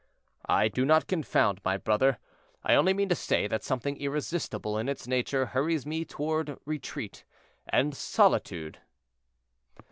"I do not confound, my brother; I only mean to say that something irresistible in its nature hurries me toward retreat and solitude."